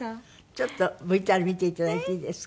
ちょっとＶＴＲ見ていただいていいですか？